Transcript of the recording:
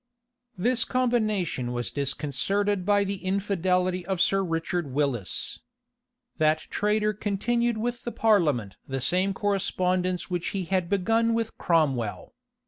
This combination was disconcerted by the infidelity of Sir Richard Willis. That traitor continued with the parliament the same correspondence which he had begun with Cromwell.